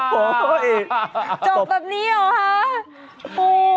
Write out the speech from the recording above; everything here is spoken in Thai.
จบแบบนี้หรอฮะ